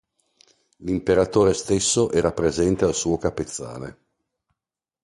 L'Imperatore stesso era presente al suo capezzale.